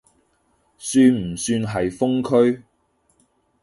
算唔算係封區？